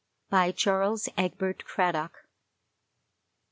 BY CHARLES EGBERT CRADDOCK.